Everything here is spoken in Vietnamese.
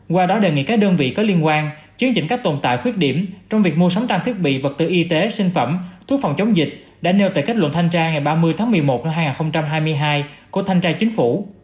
qua đó đề nghị các đơn vị có liên quan chứng chỉnh các tồn tại khuyết điểm trong việc mua sắm trang thiết bị vật tư y tế sinh phẩm thuốc phòng chống dịch đã nêu tại kết luận thanh tra ngày ba mươi tháng một mươi một năm hai nghìn hai mươi hai của thanh tra chính phủ